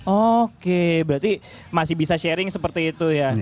oke berarti masih bisa sharing seperti itu ya